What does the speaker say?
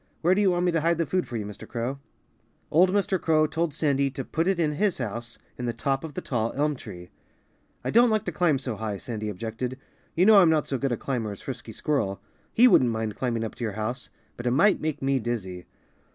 Where do you want me to hide the food for you, Mr. Crow?" Old Mr. Crow told Sandy to put it in his house in the top of the tall elm tree. "I don't like to climb so high," Sandy objected. "You know I'm not so good a climber as Frisky Squirrel. He wouldn't mind climbing up to your house. But it might make me dizzy."